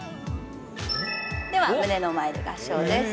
では胸の前で合掌です。